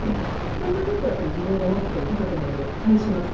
そうすると自分が思っていたより高くなるので返します。